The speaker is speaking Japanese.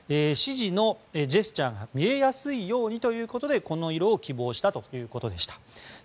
指示のジェスチャーが見えやすいようにということでこの色を希望したということでした。